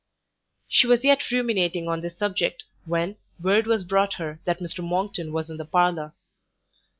She was yet ruminating on this subject, when, word was brought her that Mr Monckton was in the parlour.